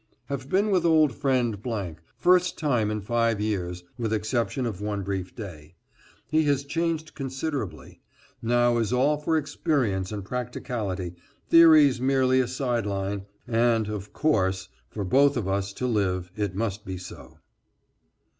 Have been with old friend , first time in five years, with exception of one brief day. He has changed considerably. Now is all for experience and practicality theories merely a sideline, and, of course, for both of us to live it must be so.